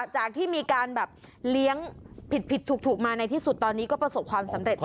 จากที่มีการแบบเลี้ยงผิดถูกมาในที่สุดตอนนี้ก็ประสบความสำเร็จ